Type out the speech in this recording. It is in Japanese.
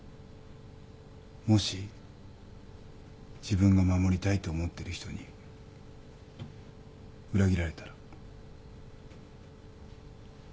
もし自分が守りたいと思ってる人に裏切られたら。